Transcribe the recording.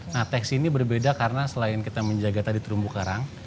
nah teks ini berbeda karena selain kita menjaga tadi terumbu karang